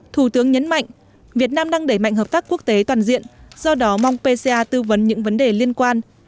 thủ tướng nhấn mạnh việt nam đang đẩy mạnh hợp tác quốc tế toàn diện do đó mong pc tư vấn những vấn đề liên quan